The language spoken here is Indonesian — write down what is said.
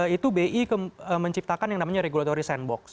itu bi menciptakan yang namanya regulatory sandbox